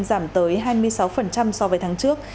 giảm tới hai mươi sáu so với tháng trước